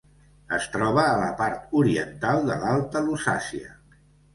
Es troba a la part oriental de l'Alta Lusàcia.